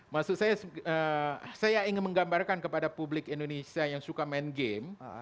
maksud saya saya ingin menggambarkan kepada publik indonesia yang suka main game